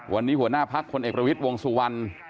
วันนี้หัวหน้าพักพลเอกประวิทย์วงสุวรรณ